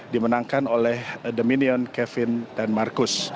dimenangkan oleh dominion kevin dan marcus